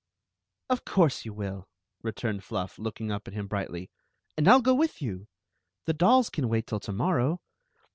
. "Of course you will!" returned Fluft Jod^ up at him brightly; "and I 'U go with you! The dolls can wait tiU to morrow.